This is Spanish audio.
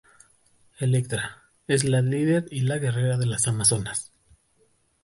Electra: es la líder y guerrera de las Amazonas.